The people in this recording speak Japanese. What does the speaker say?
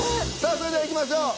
それではいきましょう。